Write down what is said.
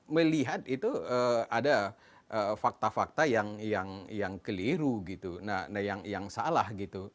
melihat itu ada fakta fakta yang keliru yang salah